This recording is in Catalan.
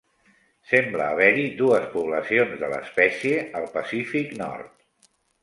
Sembla haver-hi dues poblacions de l'espècie al Pacífic nord.